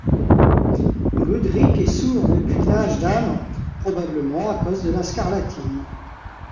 Goodricke est sourd depuis l'âge d'un an, probablement à cause de la scarlatine.